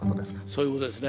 そういうことですね。